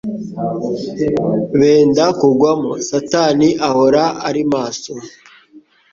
benda kugwamo. Satani ahora ari maso